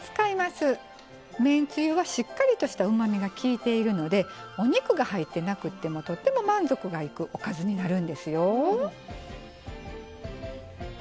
めんつゆはしっかりとしたうまみがきいているのでお肉が入ってなくってもとっても満足がいくおかずになるんですよ。